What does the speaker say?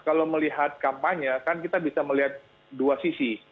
kalau melihat kampanye kan kita bisa melihat dua sisi